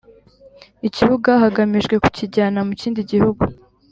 Ikibuga hagamijwe kukijyana mu kindi gihugu